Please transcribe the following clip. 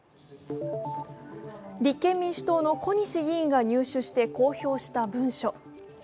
立憲民主党の小西議員が入手して公表した文書。